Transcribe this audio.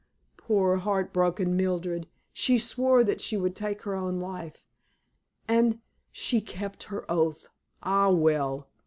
Poor, heartbroken Mildred! She swore that she would take her own life, and she kept her oath. Ah, well!"